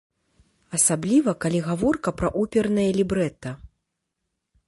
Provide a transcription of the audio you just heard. Асабліва калі гаворка пра опернае лібрэта.